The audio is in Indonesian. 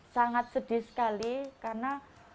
sangat sedih sekali karena